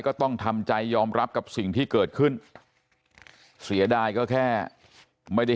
ก็ต้องทำใจยอมรับกับสิ่งที่เกิดขึ้นเสียดายก็แค่ไม่ได้